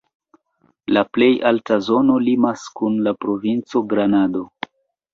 La plej alta zono limas kun la provinco Granado.